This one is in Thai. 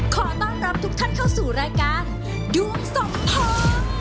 ขอต้อนรับทุกท่านเข้าสู่รายการดวงสมพง